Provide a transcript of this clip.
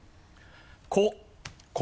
「こ」「こ」